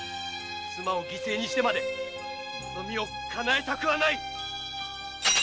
妻を犠牲にしてまで望みを叶えたくはない！